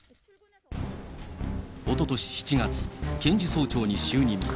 おととし７月、検事総長に就任。